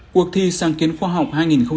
cuộc thi sáng kiến khoa học hai nghìn hai mươi